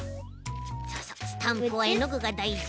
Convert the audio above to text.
そうそうスタンプはえのぐがだいじ。